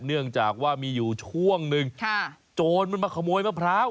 เนื่องจากว่ามีอยู่ช่วงหนึ่งโจรมันมาขโมยมะพร้าว